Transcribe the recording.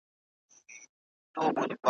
زېری به راسي د پسرلیو ,